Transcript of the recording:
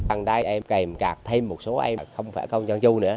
bằng đây em kèm cạt thêm một số em không phải con trang trung nữa